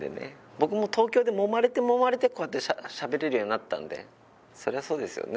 僕も東京でもまれてもまれてこうやってしゃべれるようになったんでそりゃそうですよね